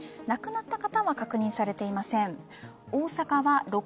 亡くなった方は確認されていません。